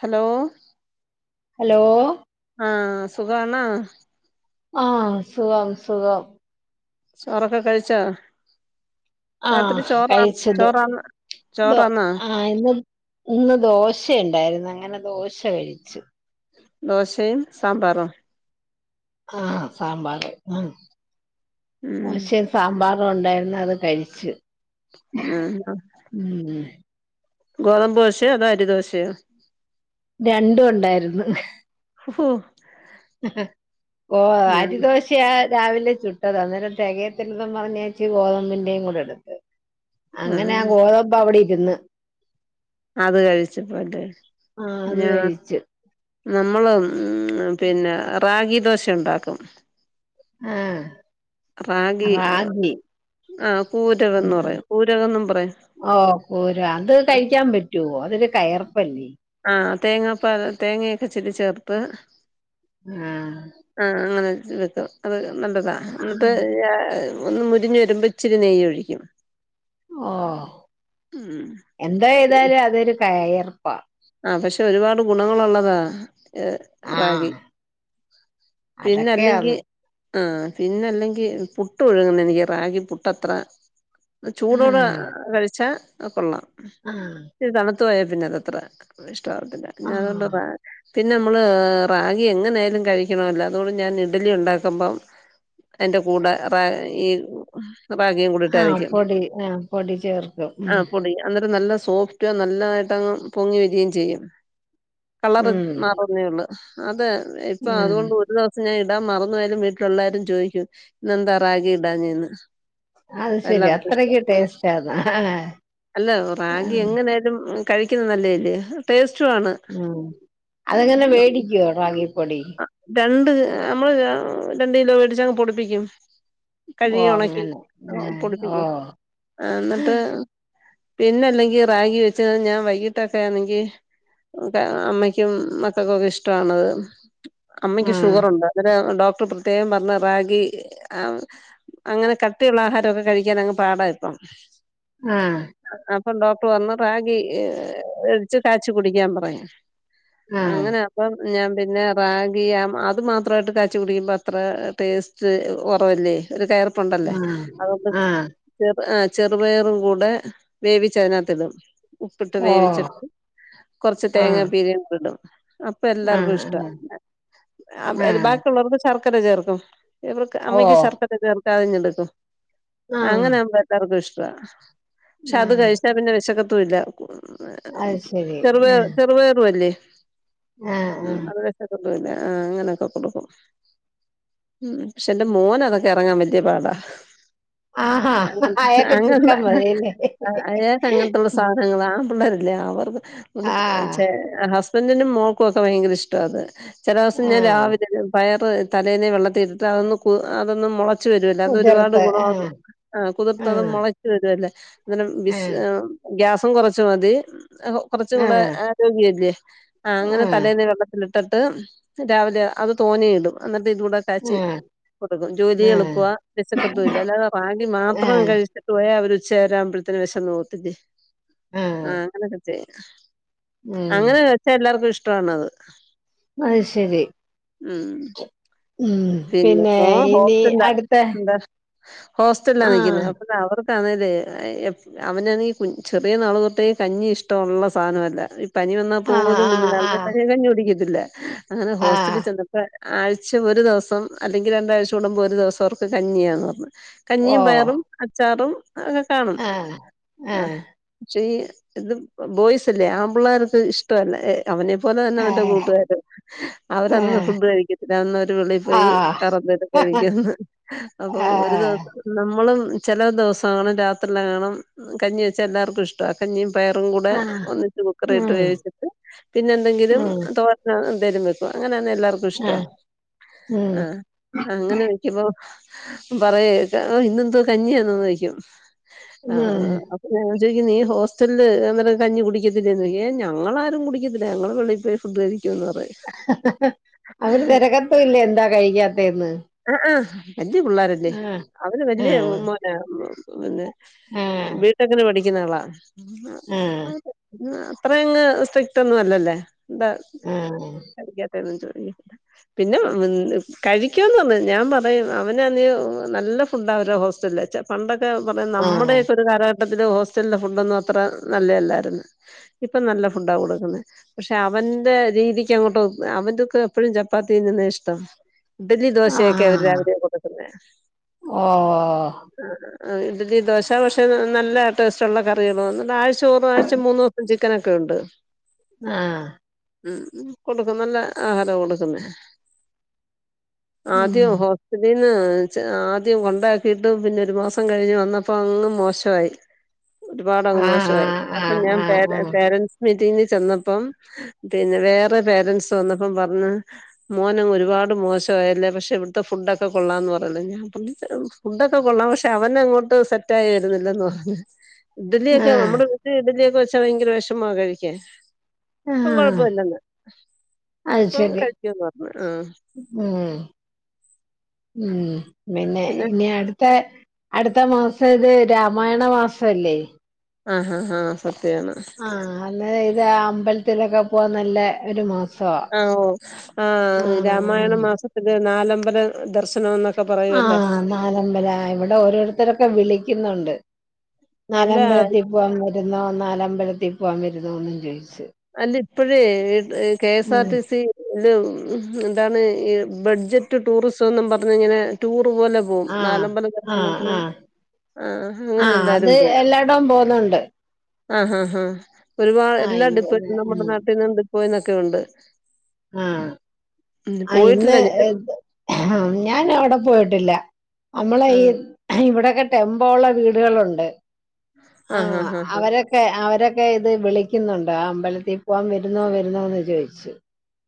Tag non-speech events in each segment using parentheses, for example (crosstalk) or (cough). Hello. Hello. ആഹ് സുഖാണോ? ആഹ് സുഖാ സുഖം. ചോറൊക്കെ കഴിച്ചോ? ആഹ് രാത്രി ചോറ കഴിച്ചത് ചോറാ ന്ന് ദോ ചോറാ ന്നോ? ആഹ് ഇന്ന് ഇന്ന് ദോശുണ്ടായിരുന്നു. അങ്ങനെ ദോശ കഴിച്ചു. ദോശയും സാമ്പാറും ആഹ് സാമ്പാർ ആ ഉം ദോശേം സാമ്പാറും ഉണ്ടായിരുന്നു അത് കഴിച്ച്. (unintelligible) ഉം ഗോതമ്പ് ദോശയോ അതോ അരി ദോശയോ രണ്ടും ഉണ്ടായിര് ന്നു. ഹോ ഓ ഞാൻ അരി ദോശ യാ രാവിലെ ചുട്ടതാ, അന്നേരം തികയത്തില്ലന്നും പറഞ്ഞെ ച്ച് ഗോതമ്പിന്റെയും കൂടെ ഇടും അങ്ങനെ ആ ആഹ് ഗോതമ്പവിടെ ഇരുന്ന്. അത് കഴിച്ചപ്പോ (unintelligible) ആഹ് അത് ന്നാ കഴിച്ചു നമ്മള്, പിന്നെ റാഗി ദോശ ഉണ്ടാക്കും. ആഹ് റാഗി റാഗി ആഹ് പൂരകംന്ന് പറയാ പൂരകംന്നും പറയാ. ഓഹ് പൂര അത് കഴിക്കാൻ പറ്റോ? അതൊരു കയർപ്പല്ലേ? ആഹ് തേങ്ങാപ്പാൽ തേങ്ങയൊക്കെ ഇച്ചിരി ചേർത്ത്. ആഹ് ആ അങ്ങനെ വെക്കും അത് നല്ലതാ ന്നിട്ട് ഒന്ന് മൊ രിഞ്ഞ് വരുമ്പോ ച്ചിരി നെയ്യ് ഒഴിക്കും. ഓഹ് ഉം എന്താ ഏതായാലും അതൊരു കയർപ്പാ ആ പക്ഷെ ഒരുപാട് ഗുണങ്ങളുള്ളതാ ഏ റാഗി ആഹ് പിന്നെ അതൊക്കെയാന്ന് അല്ലെങ്കി- ആഹ് പിന്നെ അല്ലെങ്കി പുട്ട് ഒഴുകുന്ന എനിക്ക് റാഗി പുട്ടത്ര. ചൂടോടെ ആഹ് കഴിച്ചാ കൊള്ളാം. ആഹ്. തണുത്തു പോയാ പിന്നെ അതത്ര ഇഷ്ടമാവത്തില്ല ഞാൻ അതുകൊണ്ട് ആഹ് റാ പിന്നെ നമ്മള് റാഗി എങ്ങനെ ആയാലും കഴിക്കണല്ലോ, അതുകൊണ്ട് ഞാൻ ഇഡ്ഡലി ഉണ്ടാക്കുമ്പം അതിന്റെ കൂടെ റാ ഈ റാഗിം ആഹ് കൂടിട്ടരക്കും പൊടി ആഹ് പൊടി ചേർക്കും ആ ഉം പൊടി എന്നിട്ട് നല്ല സോഫ്റ്റ് ഏറ്റവും നല്ലതായിട്ടങ്ങ് പൊങ്ങി വരികയും ചെയ്യും, കളർ ഉം മാറുന്നേ ഉള്ളൂ. അതെ ഇപ്പൊ ഉം അതുകൊണ്ട് ഒരു ദിവസം ഞാൻ ഇടാൻ മറന്നു പോയാലും വീട്ടിലെല്ലാരും ചോദിക്കും ഇന്നെന്താ റാഗി ഇടാഞ്ഞെന്ന്. അത് ശരി എല്ലാർക്കും ഇഷ്ട്ടാ അത്രക്ക് ടേസ്റ്റാന്ന് അല്ല റാഗി ആഹ് എങ്ങനായാലും കഴിക്കുന്ന ല്ലേ ല്ല ടേസ്റ്റും ആണ്. യോ റാഗി പൊടി. രണ്ട് നമ്മള് രണ്ട് കിലോ മേടിച്ചങ്ങ് പൊടിപ്പിക്കും. ഓ കഴുകി ഉണക്കി അങ്ങനെ പൊടിപ്പിക്കും ആഹ് ആഹ് എന്നിട്ട് പിന്നെ അല്ലെങ്കിൽ റാഗി വെച്ച് ഞാൻ വൈകിട്ടൊക്കെ ആണെങ്കിൽ അമ്മയ്ക്കും മക്കൾക്കുമൊക്കെ ഇഷ്ട്ടാണത്, ഓ അമ്മയ്ക്ക് ആഹ് ഷുഗറുണ്ട്. അന്നേരം ഡോക്ടർ പ്രത്യേകം പറഞ്ഞത് റാഗി ആ അങ്ങനെ കട്ടിയുള്ള ആഹാരൊക്കെ കഴിക്കാൻ അങ്ങ് പാടാ ഇപ്പം. ആഹ് അപ്പൊ ഡോക്ടർ പറഞ്ഞു റാഗി എടിച്ച് തഴച്ചു കുടിക്കാൻ പറഞ്ഞു. ആഹ് അങ്ങനെ അപ്പം ഞാൻ പിന്നെ ബാഗി അത് മാത്രമായിട്ട് കാച്ച കുടിക്കുമ്പോ അത്ര ടേസ്റ്റ് കുറവല്ലേ ഒരു കയർ ണ്ടല്ലേ ആഹ് അതൊണ്ട് ആഹ് ചെറു ആ ചെറുപയറും കൂടെ വേവിച്ചതിനകത്തിടും ഉപ്പിട്ട് ഓ വേവിച്ചിട്ട് കൊറച്ച് തേങ്ങാ ആഹ് പീരിണ്ട ഇടും അപ്പൊ എല്ലാർക്കും ആഹ് ഇഷ്ട ആഹ് ആഹ് ബാക്കുള്ളവർക്ക് ശർക്കരജർക്കും ഇവർക്ക് അമ്മയ്ക്ക് ശർക്കര കേീർക്കാതിഞ്ഞെടുക്കും ആഹ് അങ്ങനൊവുമ്പോ എല്ലാ ർക്കും ഇഷ്ടാ പക്ഷെ അത് ആഹ് കഴിച്ചാ പിന്നെ വിശക്കത്തും ഇല്ല അത് (unintelligible) ശരി ചെറ ആഹ് ചെറുപയറ അല്ലേ ആഹ് ആഹ് കൊല്ല ആഹ് അങ്ങനെയൊക്കെ കൊടുക്കും ഉം പക്ഷെ എന്റെ മോന അതൊക്കെ ഇറങ്ങാൻ വലിയ പാടാ ആഹാ അയാക്ക് അങ്ങന്ത ചുക്കാൻ മതിയല്ലേ അയാക്ക് അങ്ങനത്തുള്ള സാധനങ്ങൾ ആ പിള്ളേരില്ലേ അവർ ആഹ് ചെ ഹസ് ഹസ്ബണ്ടിനും മോക്കുംൊക്കെ ഭയങ്കര ഇഷ്ട അത് ചില ദിവസം ഞാൻ ആഹ് രാവിലെ പയർ തലേനെ വെള്ളത്തി ഇട്ടിട്ട് അതൊന്ന് അതൊന്നന്ന് മുള ച്ച വരുല്ല അത് ഒരുപാട് കുതിർത്ത് ഗുണ വാ ആഹ് കുതിർത്തതും ആഹ് മുള ല്ലേ അെ ആഹ് ഗ്യാസും കുറച്ച മതി കുറച്ചും കൂടെ ആഹ് ആരോഗ്യല്ലേ ആ അങ്ങനെ ആഹ് തലേന്നെ വെള്ള ഇട്ടട്ട് രാവിലെ അത് തോന്നയിടും എന്നിട്ട് ഇതി കൂടെ ചച്ചി ആഹ് കൊടുക്കും ജോലി എളുപ്പ ആഹ് വെ ശക്കൊത്തും ഇല്ല അല്ലാതെ റാഗി മാത്രം ആഹ് കഴിച്ച പോയ അവരു ഉച്ചേ വരാവ്പഴത്തന് വശം ആവത്തില്ലേ ആ ആഹ് അങ്ങനെയൊക്കെ ചെയ്യ ഉം അങ്ങനെ വെച്ചാ എല്ലാർക്കും ഇഷ്ടണ അത് അത് ശരി ഉം ഉ പിന്നെ മോൻ ഇനി ഹോസ്റ്റലിലാ അടുത്ത എന്താ ഹോസ്റ്റലിലാ ആഹ് നിിക്കുന്നത് അപ്പ അവർക്കാണല്േ അവനാ ണെങ്കിൽ ചെറിയ നാള തൊ ട്ടേ കഞ്ഞി ഇഷ്ടുള്ളള്ള സാധനല്ല ഈ പനി വ ആഹ് പോലും കുഞ് ആഹ് നാളിലെ ആഹ് കഞ്ഞി കുടിക്കത്തി ല്ല അങ്ങനെ ഹോസ്റ്റലിൽ ആഹ് ച ആഴ്ച ഒരു ദിവസം അല്ലെങ്കിൽ രണ്ടാഴ്ച കൂടുമ്പോ ഒരു ദിവസം അവർക്ക് കഞ്ഞിയാന്ന് പറഞ്ഞു ഓ കഞ്ഞിയും പയറും അച്ചാറും അക്കെ കാണും ആഹ് ആ ആഹ് പക്ഷെ ഈ ഇത് ബോയ്സ് അല്ലേ ആ പിള്ളേർക്ക് ഇഷ ല്ല അവനെ പോലെ തന്നെ അവന്റെ ആഹ് കൂട്ടുകാരർ അവരന്ന് ആഹ് ഫുഡ് കഴിക്കത്തില്ല അന്ന് വിളി യി കറന്നിട്ട് കഴിക്കുന്നു അപ്പൊ ഒരു ദിവസം നമ്മളും ചില ദിവസം കാണം രാത്രില്ല കാണണം കഞ്ഞി വെച്ചാ എല്ലാർക്കും ഇഷ്ടം കഞ്ഞിയും പയറും കൂടെ ഒന്നിച്ച് കുക്കറിട്ട് ഉം. വേവിച്ചിട്ട് പിന്നെന്തെങ്കിലും ഉം. തോ തരു വെക്കും അങ്ങനെയാണ് എല്ലാർക്കും ആ. ഇഷ്ടവാ ഉം. ആഹ അങ്ങനെ വയ്ക്കുമ്പോ പറയ ഇന്നെതു കഞ്ഞിണ ന്ന് ചോ യി ക്കും ഉം. ആഹ് ഞാ ചോയ്ക്കും നീ ഹോസ്റ്റൽല് ഹ് ഞാൻ പറയു കഞ്ഞി കുടിക്കത്തില്ലേന്ന് ചോയ്ക്കു ഏഹ് ഞങ്ങളാരും കുടിക്കത്തില്ല ഞങ്ങള് വെള്ളിപ്പോ ഫുഡായിരിക്കു എന്ന് പറയും (unintelligible) അവര് തെരകത്തു ഇല്ല എന്താ കഴിക്കാത്തെ എന്ന് ആഹ് ആഹ് വല്യ പിള്ളോരെല്ലേ അവര് ആ. വല്യ മോന ആ. (unintelligible) വീട്ടങ്ങനെ പഠിക്ക്ന്ന ആളാ ആ. അത്രയങ്ങ് സ്‌റ്റ്രിറ്റൊന്നും അല്ലല്ലെ എന്താ ആ. പിന്നെ ക (unintelligible) പിക്കന്ന് തോന്നു. ഞാൻ പറയും അവന് അന്ന് നല്ല ഫുഡ്ഡ അവരെ ഹോസ്റ്റല്ച്ച പണ്ടൊക്കെ പറയാ. നമ്മുടെയൊക്കെ ആ. ഒരു കാലഘട്ടത്തില് ഹോസ്റ്റലിലെ ഫുഡൊന്നും അത്ര നല്ലെ അല്ലായിരുന്നു ഇപ്പൊ നല്ല ഫുഡാ കൊടുക്കുന്നെ പക്ഷെ അവന്റെ രീതിക്ക് അങ്ങോട്ട് അവൻന്റെ ഒക്കെ എപ്പഴും ചപ്പാത്തി ന്നുന്നെ ഇഷ്ടം ഇഡലി ആ. ദോശേയ്ക്കെ അവര്ടെ (unintelligible) ഓ. ഇഡലി ദോശാന്ന് വശാ നല്ല ടേസ്റ്റ് ഉള്ള കറിയൾന്നാഴ് ചോറ് വാഴ്ച്ച മൂന്ന് ദ ചിക്കനൊക്കെ ഉണ്ട് ആഹ് ഉം കൊടുക്കും നല്ല ആഹാരം കൊടുക്കുന്നേ ഉം. ആദ്യ ഹോ തീന്ന് ആദ്യം കൊണ്ടാക്കിയിട്ട് പിന്നെ ഒരു മാസം കഴിഞ്ഞ് വന്നപ്പോ അങ്ങ് മോശവായി. ഒരുപാട് അങ് ആ. മോശവായി. ആ. അപ്പൊ ഞാൻ ആ. ആ. പേര പേരൻറ്സ് മീറ്റിംഗിന് ചെന്നപ്പം പിന്നെ വേറെ പേരന്റ്സ് വന്നപ്പം പറ്ഞ്ഞ് മോനങ്ങ് ഒരുപാട് മോശം വേല്ലേ പക്ഷെ ഇവിട്ത്തെ ഫുഡ്ഒക്കെ കൊള്ളാന്ന് പറയ്ണി ണ്ട് ഞാൻ പ്പന്നിത്രേ ഒള്ളൂ. ഫുഡ്ഒക്കെ കൊള്ളാം പക്ഷെ അവനെ അങ്ങോട്ട് സെ റ്റായി വരുന്നില്ലെന്ന് പറഞ്ഞു ആ. ഇഡലിയൊക്കെ നമ്മുടെ വീട്ടിൽ ഇഡലിയൊക്കെവെച്ചാ ഭയങ്കര വെഷമാ കഴിക്കാൻ ആ. ഇപ്പം കൊഴപ്പൊല്ലന്ന് അത് ഇപ്പം ശരി. കഴിക്കന്ന് പറഞ്ഞ് ആഹ് ഉം ഉം പിന്നെ ഇനി അടുത്തെ അടുത്ത മാസം ഇത് രാമായണ മാസ അല്ലേ ആഹ് ആഹ് ആഹ് സത്യാണ് ആഹ് അല്ല അമ്പൽത്ത്ലൊക്കെ പോവാൻ നല്ല ഒരു മാസം ആഹ് ഓ ആഹ് രാമായണ ആഹ് മാസത്തില് നാലമ്പല ദർശനം എന്നൊ ആഹ് നാലമ്പല ഇവടെ ഓരോരുത്തരൊക്കെ വിളിക്ക്യുന്നുണ്ട്. അല്ല നാലമ്പലത്തിൽ പോവാൻ വരുന്നോ നാലമ്പലത്തി പോവാൻ വരുന്നോന്നും ചോയിച്ച് അല്ല ഇപ്പഴേ കേസ് ആർ ഉം ടി സില് എന്താണ് ഈ ബെഡ്ജറ്റ് ടൂറിസംന്നും പറഞ്ഞിങ്ങനെ ടൂറ് പോലെ പോവും ആഹ് നാലമ്പല ആഹ് ദർശനത്തിനും ആഹ് ആഹ് അങ്ങനെ ആഹ് അത് എല്ലാരും പോവും എല്ലായിടവും പോകുന്നുണ്ട് ആഹ് ആഹ് ഒരുപാട് ആഹ് എല്ലാ ഇവ ഡിപ്പാട്മെന്റിന്നും ഉം നമ്മുടെ നാട്ടിൽ നിന്ന് ഡിപ്പോയി നൊക്കെ ഉണ്ട്. ആഹ് ഉം അയിന്ന് പോയിട്ടില്ല ഞാൻ (unintelligible) ആഹ് ഞാൻ അവിടെ പോയിട്ടില്ല നമ്മള് ആ ഈ ഇവിടെ ഒക്കെ ടെമ്പോള്ള വീടുകളുണ്ട് ആ ആഹ് ആ അവരെ ക്കെ അവരൊക്കെ ഇത് വിളിക്കുന്നുണ്ട് ആഹ് അമ്പലത്തിൽ പോകാൻ വരുന്നോ വരുന്നോന്ന് ചോയ്ച്ച്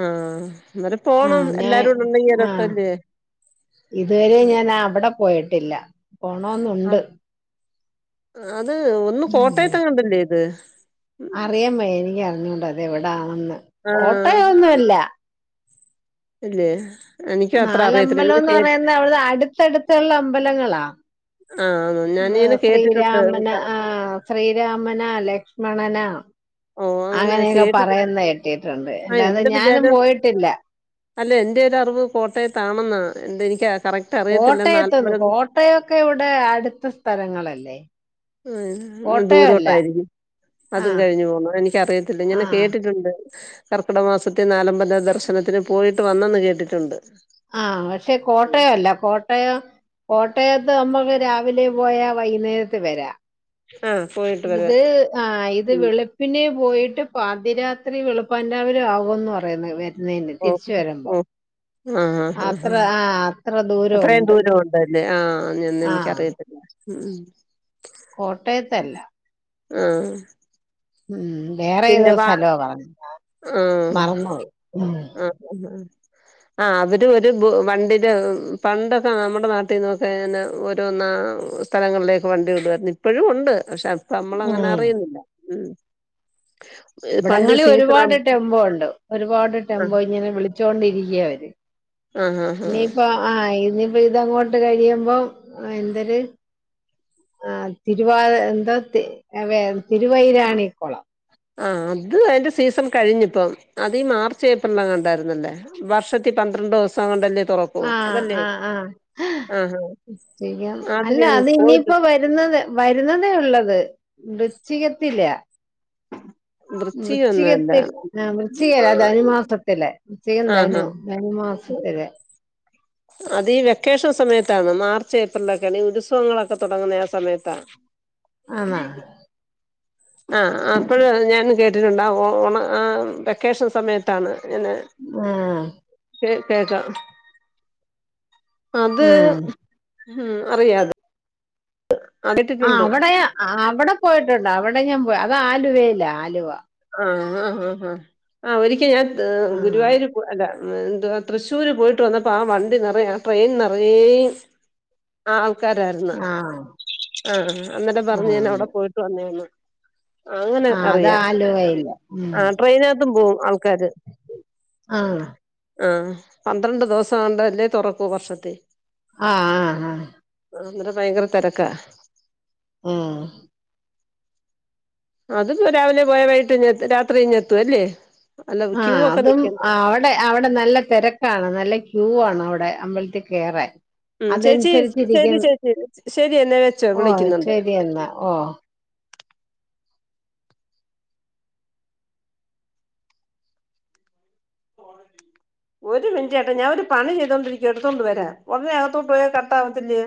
ആഹ് ഇന്നാലും പോണം. ഞാൻ എല്ലാരും കൂടു മ്പം ഇങ്ങനെ ആഹ് രസല്ലേ ഇതുവരെ ഞാൻ അവടെ പോയിട്ടില്ല പോണോന്നുണ്ട് അത് ഒന്ന് ഉം കോട്ടയത്തങ്ങാണ്ടല്ലേ ഇത് അറിയാൻ വയ്യ എനിക്കറിഞ്ഞൂടാ അതെവിടാണെന്ന് ആഹ് കോട്ടയൊന്നല്ല. ഇല്ലേ എനിക്കും അത്ര അറിയത്തില്ല ഇങ്ങനെ നാലമ്പലോന്ന് കേ പറയുന്നെ അവിടെ അടുത്തടുത്തുള്ള അമ്പലങ്ങളാ ആഹ് ന്ന് ഇത് ശ്രീരാമന ആഹ് ശ്രീരാമനാ ലക്ഷ്മണനാ ഓ അങ്ങനെ അങ്ങനെയൊക്കെ കേട്ടിട്ടു പറയുന്ന കെട്ടിയിട്ടുണ്ട് ആ അല്ലാതെ എന്റെ ഞാനും വിചാരം പോയിട്ടില്ല. അല്ല എന്റെ ഒരറിവ് കോട്ടയത്താണെന്നാ എന്ത് എനിക്ക് കറക്റ്റ് അറിയത്തില്ല കോട്ടയത്ത്ന്നു നാലമ്പലം കോട്ടയൊക്കെ ഇവിടെ അടുത്ത സ്ഥലങ്ങളല്ലേ ആഹ് കോട്ടയമല്ല ദൂരോട്ടായിരിക്കും. അതും ആഹ് കഴിഞ്ഞു പോണം എനിക്കറിയത്തില്ല ങ്ങനെ ആഹ് കേട്ടിട്ടുണ്ട്. കർക്കിട മാസത്തി നാലമ്പല ദർശനത്തിന് പോയിട്ട് വന്നന്ന് കേട്ടിട്ടുണ്ട്. ആഹ് പക്ഷെ കോട്ടയല്ല കോട്ടയം കോട്ടയത്ത് നമ്മക്ക് രാവിലെ പോയാ വൈകുന്നേരത്ത് വരാ. ആഹ് പോയി ഇത് ആഹ് ഇത് വെളു പ്പിനെപോയിട്ട് പാതിരാത്രി വെളുപ്പാൻ രാവിലും ആകുമന്ന് പറയുന്നേ വെ ന്നേന് തിരിച്ചു ഓഹ് വരുമ്പോ. ഓഹ് ആഹ് ആഹ് അത്ര ഹാ ആഹ് അത്ര ദൂരം അത്രയും ഉണ്ട് ദൂരം ഉണ്ടല്ലേ ആഹ് ഞന്ന ആഹ് എനിക്കറിയത്തില്ല. ഉം ഉം. കോട്ടയത്തല്ല. ആഹ്. വേറെ പിന്നെ ഏതോ വ സ്ഥലവ പറഞ്ഞേ മറന്ന് പോയി. അഹ് ആഹാ അവര് ഒരു ബു വണ്ടിടേ പണ്ടൊക്കെ നമ്മുടെ നാട്ടിന്നൊക്കെയിങ്ങനെ റ്റന്ന സ്ഥലങ്ങളിലേക്ക് വണ്ടി വിടുമായിരുന്നു ഇപ്പോഴും ഒണ്ട്ക്ഷെ ത് നമ്മള അങ്ങനെ ഉം അറിയുന്നില്ലാ. ഇവിടങ്ങളിൽ ഒരുപാട് ടെമ്പോ ഒണ്ട്. ഒരുപാട് ടെമ്പോ ആഹ് ഇങ്ങനെ വിളിച്ചോണ്ടിരിക്ക അവര് ആഹ് ആഹ് ആഹ് ഇനിയിപ്പ ആഹ് ഇനിപ്പോ ഇതങ്ങോട്ട് കഴിയുമ്പോ എന്തര്? ആഹ് തിരുവാ എന്തോ വെ തിരുവൈരാണിക്കൊളം. ആഹ് അത് അതിന്റെ സീസൺ കഴിഞ്ഞിപ്പം അത് ഈ മാർച്ച് ഏപ്രിലിൽ എങ്ങാണ്ടും ആരുന്നല്ലേ? വർഷത്തി പന്ത്രണ്ട് ദെവസങ്ങണ്ടല്ലേ തൊറ ആ ഓഹ് അതല്ലേ ആ ആ ആഹ് ശരിക്കും ആ അത് അല്ല ഞാൻ പോയിട്ട് ഇനിയിപ്പോ വരുന്നത് വരുന്നതേ ഒള്ളത് വൃശ്ചികത്തില. വൃശ്ചികം ഒന്നും അല്ല വൃശ്ചികത്തി ആ വൃശ്ചികല്ല ധനുമാസത്തില്. വൃശ്ചികം ആഹ് ധനു ആഹ് ധനുമാസത്തില് അത്ഈ വെക്കേഷൻ സമയത്താണ് മാർച്ച് ഏപ്രിലൊക്കെ ഈ ഉത്സവങ്ങളൊക്കെ തുടങ്ങുന്ന ആ സമയത്താണ്. (unintelligible) (inaudible) ആഹ് അപ്പോഴ ഞാനും കേട്ടിട്ടുണ്ട് ആ ഓണ ആ വെക്കേഷൻ സമയത്താണ് ഇങ്ങനെ ഓഹ് ഹ് കേൾക്കാം അത് ഉം ഉം അറിയാത് ആ ആഹ് കേട്ടിട്ടുണ്ട് അവിടെയ അവിടെ പോയിട്ടുണ്ട് അവിടെ ഞാൻ പോ അത് ആലുവയില ആലുവ. ആഹ ആഹ ആ ആ ആഹ് ഒരിക്കൽ ഞാൻ ആ ഗുരുവായൂര് അല്ല എന്തുവ തൃശ്ശൂര് പോയിട്ട് വന്നപ്പോ ആ വണ്ടി നിറെ ആ ട്രെയിൻ നിറേയും ആ ആൾക്കാരായിരുന്നു ആ ആഹ് അന്നേരെ ആ പറഞ്ഞ് ഞൻ അവിടെ പോയിട്ട് വന്നേയാന്ന്. അങ്ങനെ അറിയാ. ലോ യില്ല ആഹ് ട്രെയിനാത്തും പോവും ആൾക്കാര്. ആഹ് ആഹ് പന്ത്രണ്ട് ദെവസ ങ്ങണ്ടല്ലേ തൊറക്കൂ വർഷത്തി ആഹ ആ ആ അതന്നര ഭയങ്കര തെരക്കാ ഉം അതിപ്പോ രാവിലെ പോയ വൈകിട്ട്ങ്ങത്തു രാത്രി ഇങ്ങേത്തൂലെ അല്ലേ അല്ല ആ ക്യൂ ഒക്കെ അതും നിൽക്കണ്ടേ? അവിടെ അവിടെ നല്ല തിരക്കാണ് നല്ല ക്യൂ ആണ് അവിടെ അമ്പലത്തിൽ കയറാൻ ഉം ചേച്ചി ശരി ചേച്ചി ശരി എന്നെ വെച്ചോ ഓ വിളിക്കുന്നുണ്ട് ശരി എന്നാ ഓ ഒരു മിനിറ്റ്ട്ട് ഞാൻ ഒരു പണി ചെയ്തുകൊണ്ടിരിക്ക എടുത്തോണ്ട് വരാ ഒന്ന് അകത്തോട്ട് പോയാ കട്ട് ആവത്തില്ലേ